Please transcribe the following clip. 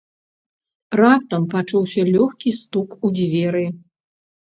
Раптам пачуўся лёгкі стук у дзверы.